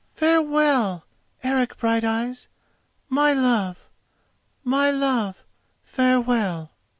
"Farewell, Eric Brighteyes!—my love—my love, farewell!"